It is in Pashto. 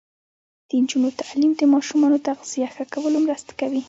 د نجونو تعلیم د ماشومانو تغذیه ښه کولو مرسته کوي.